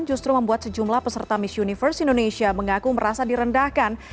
justru membuat sejumlah peserta miss universe indonesia mengaku merasa direndahkan